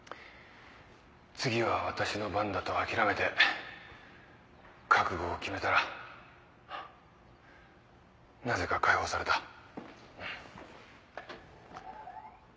次は私の番だと諦めて覚悟を決めたらなぜか解放された。